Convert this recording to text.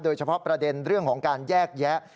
โดยเฉพาะประเด็นเรื่องของการแยกแยะ